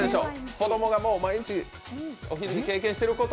子供が毎日お昼に経験していること。